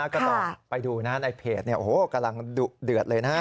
ค่ะไปดูนะในเพลงโอโหกำลังเดือดเลยนะ